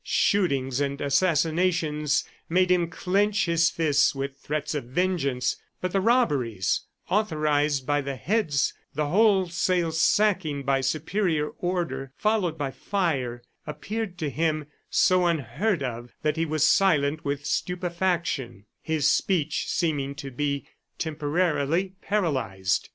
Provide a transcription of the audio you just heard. Shootings and assassinations made him clench his fists, with threats of vengeance; but the robberies authorized by the heads, the wholesale sackings by superior order, followed by fire, appeared to him so unheard of that he was silent with stupefaction, his speech seeming to be temporarily paralyzed.